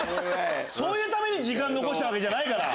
そういうために時間残したわけじゃないから。